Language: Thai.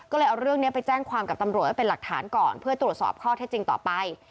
ก็เลยเอาเรื่องนี้ไปแจ้งความกับตำรวจไว้เป็นหลักฐานก่อนเพื่อตรวจสอบข้อเท็จจริงต่อไป